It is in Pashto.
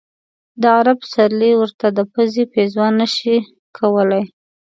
د عرب پسرلی ورته د پزې پېزوان نه شي کولای.